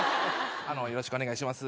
よろしくお願いします。